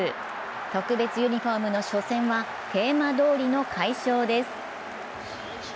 特別ユニフォームの初戦はテーマどおりの快勝です。